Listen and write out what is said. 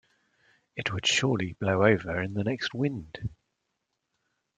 It would surely blow over in the next wind!